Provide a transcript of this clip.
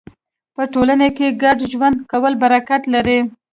په ټولنه کې ګډ ژوند کول برکت لري.